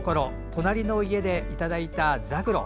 隣の家でいただいたザクロ。